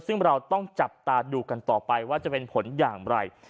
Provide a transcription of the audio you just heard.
ซึ่งเราต้องจับตาดูกันต่อไปว่าจะเป็นผลอย่างไร